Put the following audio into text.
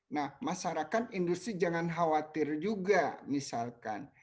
nah masyarakat industri jangan khawatir juga misalkan